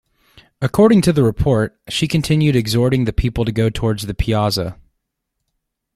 According to the report, she continued exhorting the people to go towards the piazza.